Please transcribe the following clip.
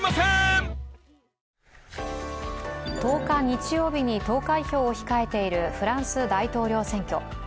１０日、日曜日に投開票を控えているフランス大統領選挙。